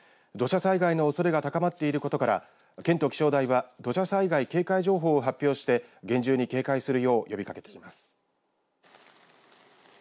土砂災害のおそれが高まっていることから県と気象台は土砂災害警戒情報を発表して厳重に警戒するよう呼びかけています。